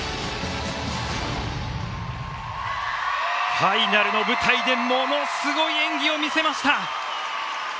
ファイナルの舞台でものすごい演技を見せました。